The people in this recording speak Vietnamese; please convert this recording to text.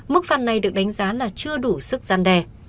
mức phạt này được đánh giá là chưa đủ sức gian đe